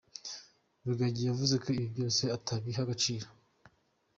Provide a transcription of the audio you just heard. Rugagi yavuze ko ibi byose atabiha agaciro.